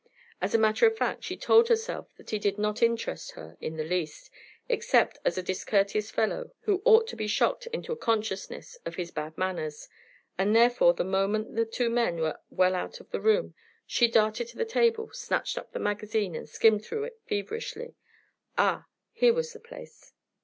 As a matter of fact, she told herself that he did not interest her in the least, except as a discourteous fellow who ought to be shocked into a consciousness of his bad manners, and therefore the moment the two men were well out of the room she darted to the table, snatched up the magazine, and skimmed through it feverishly. Ah! here was the place!